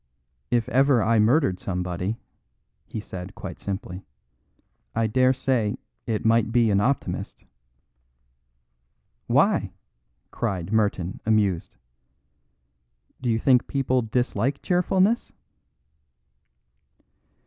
If ever I murdered somebody," he added quite simply, "I dare say it might be an Optimist." "Why?" cried Merton amused. "Do you think people dislike cheerfulness?"